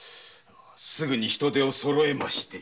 すぐに人手をそろえまして。